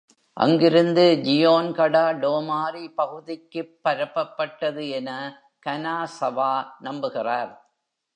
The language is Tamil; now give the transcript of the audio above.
அங்கிருந்து, ஜியோன் கடா டோமாரி பகுதிக்குப் பரப்பப்பட்டது என கனாசவா நம்புகிறார்.